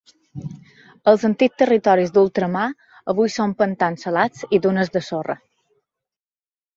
Els antics territoris d'ultramar avui són pantans salats i dunes de sorra.